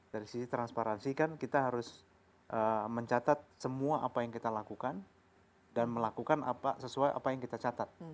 dari sisi transparansi kan kita harus mencatat semua apa yang kita lakukan dan melakukan apa sesuai apa yang kita catat